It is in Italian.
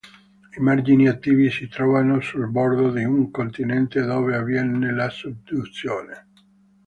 I margini attivi si trovano sul bordo di un continente dove avviene la subduzione.